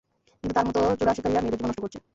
কিন্তু তার মতো চোরাশিকারিরা মেয়েদের জীবন নষ্ট করছে!